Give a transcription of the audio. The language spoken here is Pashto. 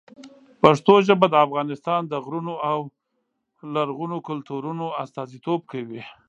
پښتو ژبه د افغانستان د غرونو او لرغونو کلتورونو استازیتوب کوي.